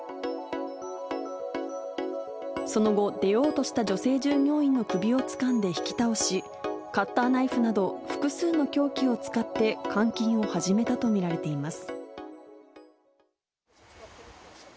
その後、出ようとした女性従業員の首を引き倒し、カッターナイフなど複数の凶器を使って、監禁を始めたと見られています。